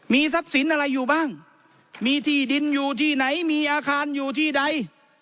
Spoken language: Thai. มีทรัพย์สินอะไรอยู่บ้างมีที่ดินอยู่ที่ไหนมีอาคารอยู่ที่ใด